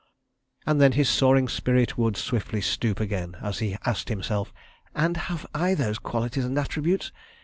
And then his soaring spirit would swiftly stoop again, as he asked himself: "And have I those qualities and attributes?"